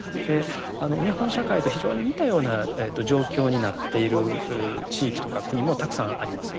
日本社会と非常に似たような状況になっている地域とか国もたくさんあります。